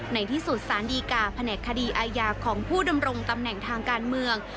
ในที่สุดสารดีกาแผนกคดีอาญาของผู้ดำรงตำแหน่งทางการเมือง